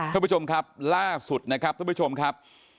ท่านผู้ชมครับล่าสุดนะครับท่านผู้ชมครับ